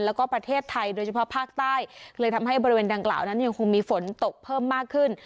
แล้วก็ประเทศไทยโดยเฉพาะภาคใต้เลยทำให้บริเวณดังกล่าวนั้นยังคงมีฝนตกเพิ่มมากขึ้น